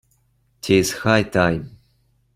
'Tis high time